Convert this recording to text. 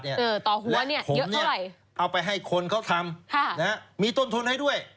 และผมเอาไปให้คนเขาทำมีต้นทนให้ด้วย